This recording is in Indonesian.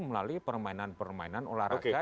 melalui permainan permainan olahraga